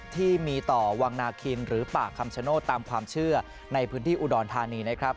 ที่มีต่อวังนาคินหรือป่าคำชโนธตามความเชื่อในพื้นที่อุดรธานีนะครับ